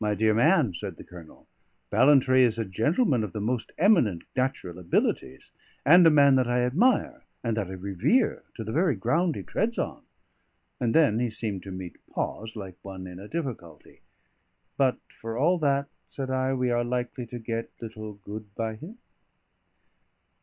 "My dear man," said the Colonel, "Ballantrae is a gentleman of the most eminent natural abilities, and a man that I admire, and that I revere, to the very ground he treads on." And then he seemed to me to pause like one in a difficulty. "But for all that," said I, "we are likely to get little good by him?"